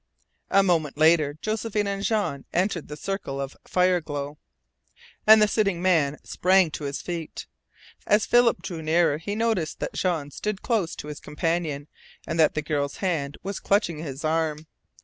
A moment later Josephine and Jean entered the circle of fireglow, and the sitting man sprang to his feet. As Philip drew nearer he noticed that Jean stood close to his companion, and that the girl's hand was clutching his arm.